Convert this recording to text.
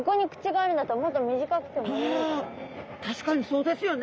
あ確かにそうですよね。